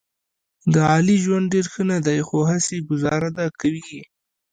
د علي ژوند ډېر ښه نه دی، خو هسې ګوزاره ده کوي یې.